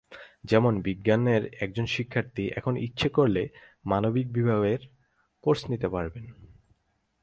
যেমন বিজ্ঞানের একজন শিক্ষার্থী এখন ইচ্ছে করলে মানবিক বিভাগের কোর্স নিতে পারবেন।